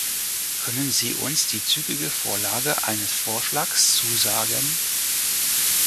Können Sie uns die zügige Vorlage eines Vorschlags zusagen?